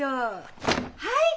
はい！